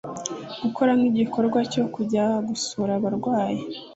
gukora nk’igikorwa cyo kujya gusura abarwayi